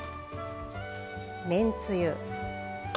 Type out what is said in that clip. めんつゆ。